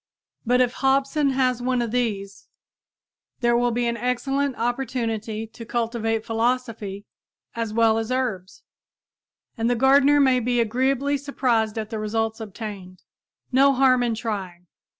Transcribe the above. But if Hobson has one of these, there will be an excellent opportunity to cultivate philosophy as well as herbs. And the gardener may be agreeably surprised at the results obtained. No harm in trying!